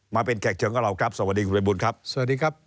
มาเป็นแขกเชิงกับเราครับสวัสดีคุณไพบูนครับ